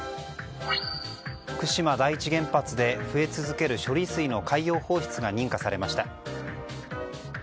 福島第一原発で増え続ける処理水の海洋放出が認可されました。